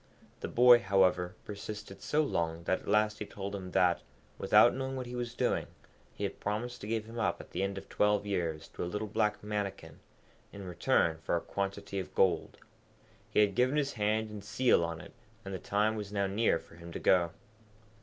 The boy, however, persisted so long that at last he told him that, without knowing what he was doing, he had promised to give him up at the end of twelve years to a little black Mannikin, in return for a quantity of gold. He had given his hand and seal on it, and the time was now near for him to go.